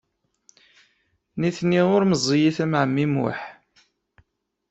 Nitni ur meẓẓiyit am ɛemmi Muḥ.